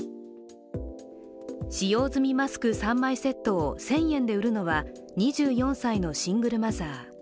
使用済みマスク３枚セットを１０００円で売るのは２４歳のシングルマザー。